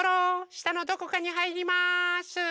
したのどこかにはいります。